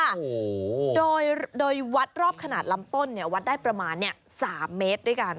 โอ้โหโดยโดยวัดรอบขนาดลำต้นเนี่ยวัดได้ประมาณเนี้ยสามเมตรด้วยกัน